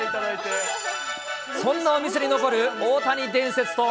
そんなお店に残る大谷伝説とは？